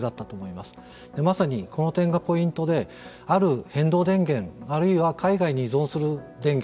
まさにこの点がポイントである変動電源あるいは海外に依存する電源